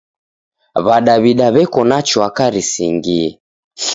W'adawida w'eko na chwaka risingie!